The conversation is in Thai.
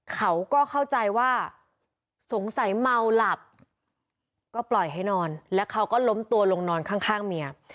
เขาก็เข้าใจว่าสงสัยเมาหลับก็ปล่อยให้นอนแล้วเขาก็ล้มตัวลงนอนข้างเมีย